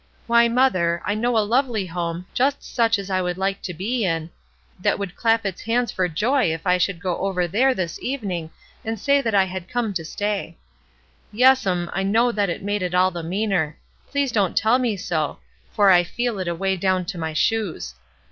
Why, mother, I know a lovely home, just such as I would like to be in, that would clap its hands for joy if I should go over there this evening and say that I had come to stay. Yes'm, I know that made it all the meaner ; please don't tell me so, for I feel it away down to my shoes.